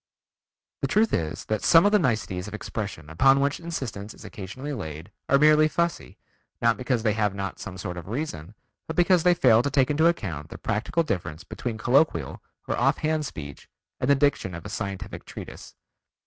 The truth is that some of the niceties of expression upon which insistence is occasionally laid are merely fussy, not because they have not some sort of reason, but because they fail to take into account the practical difference between colloquial or off hand speech and the diction of a scientific treatise.